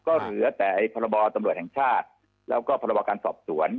ก็เหลือแต่พระบอโดยสำหรัฐแล้วก็พระบอการสอบสวน